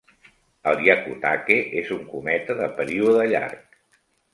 El Hyakutake és un cometa de període llarg.